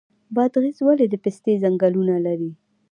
بادغیس ولې د پستې ځنګلونه لري؟